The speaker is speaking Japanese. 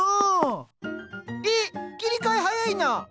えっ切り替え早いな。